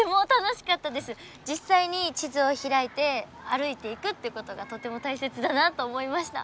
実際に地図を開いて歩いていくってことがとても大切だなと思いました。